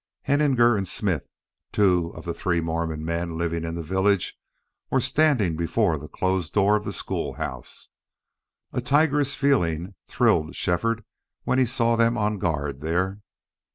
Henninger and Smith, two of the three Mormon men living in the village, were standing before the closed door of the school house. A tigerish feeling thrilled Shefford when he saw them on guard there.